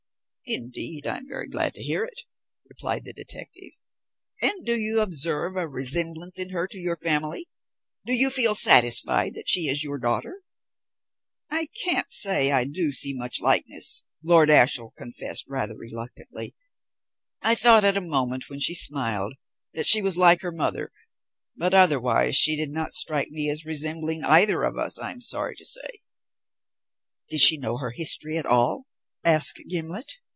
"Indeed, I am very glad to hear it," replied the detective. "And do you observe a resemblance in her to your family; do you feel satisfied that she is your daughter?" "I can't say I do see much likeness," Lord Ashiel confessed rather reluctantly. "I thought at one moment, when she smiled, that she was like her mother; but otherwise she did not strike me as resembling either of us, I am sorry to say." "Did she know her history at all?" asked Gimblet.